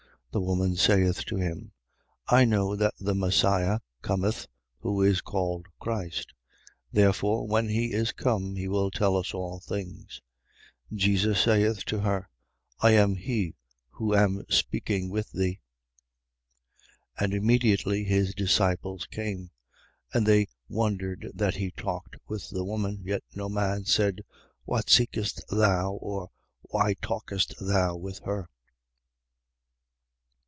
4:25. The woman saith to him: I know that the Messias cometh (who is called Christ): therefore, when he is come, he will tell us all things. 4:26. Jesus saith to her: I am he, who am speaking with thee. 4:27. And immediately his disciples came. And they wondered that he talked with the woman. Yet no man said: What seekest thou? Or: Why talkest thou with her?